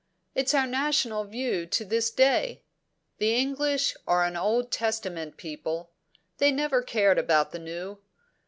It's our national view to this day. The English are an Old Testament people; they never cared about the New.